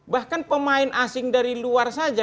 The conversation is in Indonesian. bahkan pemain asing dari luar saja